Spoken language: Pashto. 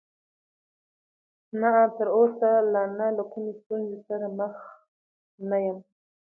نه، تر اوسه لا نه، له کومې ستونزې سره مخ نه یم.